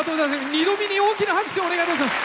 二度見に大きな拍手をお願いいたします！